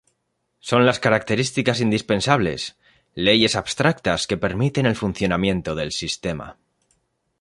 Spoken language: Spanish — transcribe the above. Son las características indispensables, leyes abstractas que permiten el funcionamiento del sistema.